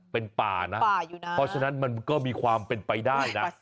เป็นป่านะเพราะฉะนั้นมันก็มีความเป็นไปได้นะ